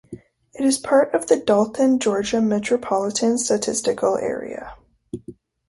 It is part of the Dalton, Georgia Metropolitan Statistical Area.